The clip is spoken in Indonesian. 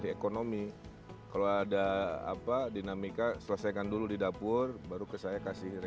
ekonomi kalau ada apa dinamika selesaikan dulu di dapur maka boleh lakukan apa yang harus dilakukan